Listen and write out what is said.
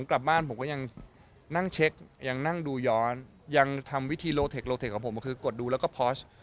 กลับบ้านผมก็ยังนั่งเช็คยังนั่งดูย้อนยังทำวิธีโลเทคโลเทคของผมคือกดดูแล้วก็พอช